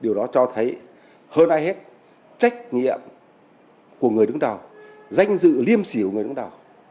điều đó cho thấy hơn ai hết trách nhiệm của người đứng đầu danh dự liêm xỉu của người đứng đầu